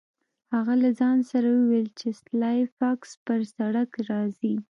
هغه له ځان سره وویل چې سلای فاکس پر سړک راځي